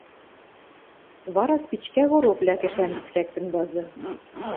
Вара спичкӓ коропля кӹшӓн гӹц лӓктӹн вазы.